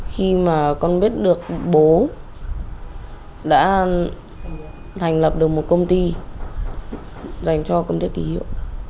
khi mà con biết được bố đã thành lập được một công ty dành cho công ty kỳ hiệu